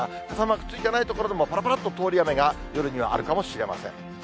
傘マークついてない所でも、ぱらぱらっと通り雨が夜にはあるかもしれません。